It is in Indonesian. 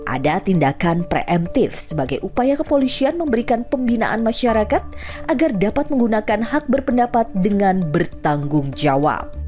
ada tindakan preemptif sebagai upaya kepolisian memberikan pembinaan masyarakat agar dapat menggunakan hak berpendapat dengan bertanggung jawab